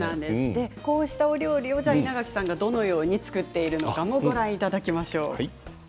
こうしたお料理を稲垣さんがどのように作っているのかもご覧いただきましょう。